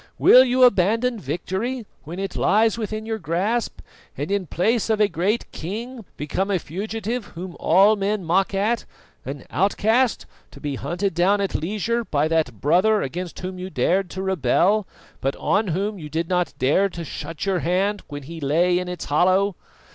Will you abandon victory when it lies within your grasp, and in place of a great king become a fugitive whom all men mock at, an outcast to be hunted down at leisure by that brother against whom you dared to rebel, but on whom you did not dare to shut your hand when he lay in its hollow?